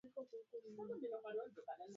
Mkulima anapaswa kuelezea zao lake kwa undani